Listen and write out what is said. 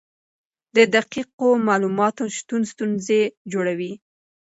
د دقیقو معلوماتو نشتون ستونزې جوړوي.